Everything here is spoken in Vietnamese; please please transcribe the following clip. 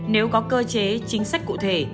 nếu có cơ chế chính sách cụ thể